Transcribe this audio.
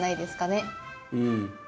うん。